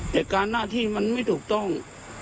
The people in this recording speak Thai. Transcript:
แต่การหน้าที่มันไม่ถูกต้อง